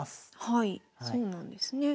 はいそうなんですね。